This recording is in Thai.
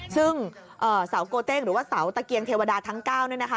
ซึ่งเสาโกเต้งหรือว่าเสาตะเกียงเทวดาทั้ง๙เนี่ยนะคะ